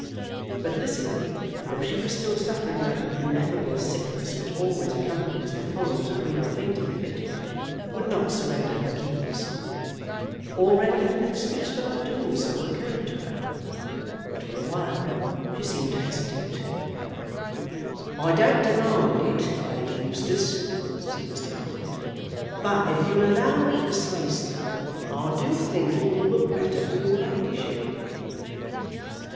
But Lizzie, though she was still suffering that ineffable sickness which always accompanies and follows a real fainting fit, would not surrender her keys. Already had an excuse for not doing so occurred to her. But for a while she seemed to hesitate. "I don't demand it, Lady Eustace," said Mr. Bunfit, "but if you'll allow me to say so, I do think it will look better for your ladyship."